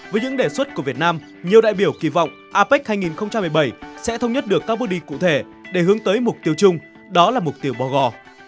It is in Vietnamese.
với những đề xuất của việt nam nhiều đại biểu kỳ vọng apec hai nghìn một mươi bảy sẽ thống nhất được các bước đi cụ thể để hướng tới mục tiêu chung đó là mục tiêu bò gò